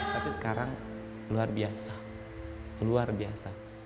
tapi sekarang luar biasa luar biasa